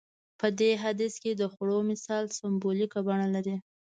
په دې حديث کې د خوړو مثال سمبوليکه بڼه لري.